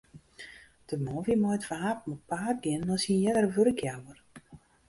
De man wie mei it wapen op paad gien nei syn eardere wurkjouwer.